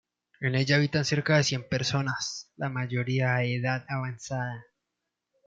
En ella habitan cerca de cien personas, la mayoría de edad avanzada.